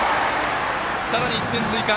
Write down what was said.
さらに１点追加！